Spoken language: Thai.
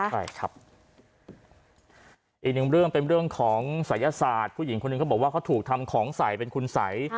ใช่ครับอีกหนึ่งเรื่องเป็นเรื่องของศัยศาสตร์ผู้หญิงคนหนึ่งเขาบอกว่าเขาถูกทำของใส่เป็นคุณสัย